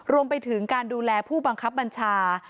รวมไปถึงการดูแลผู้บังคับบัญชา